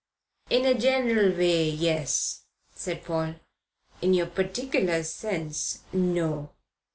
"In a general way, yes," said Paul. "In your particular sense, no.